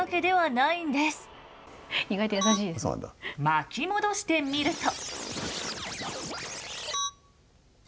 巻き戻してみると。